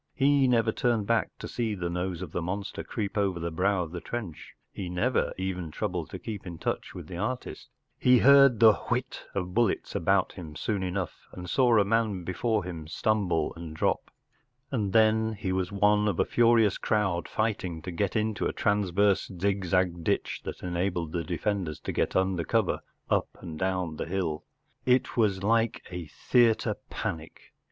He never turned back to see the nose of the monster creep over the brow of the trench ; he never even troubled to keep in touch with the artist He heard the “ whitof bullets about him soon enough, and saw a man before him stumble and drop, and then he was one of a furious crowd fighting to get into a transverse zigzag ditch that enabled the defenders to get under cover up and down the hill It was like a theatre panic.